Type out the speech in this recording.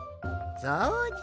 そうじゃ。